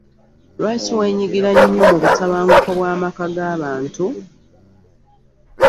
Lwaki wenyigira nnyo mu butabanguko bwa maka g'abantu?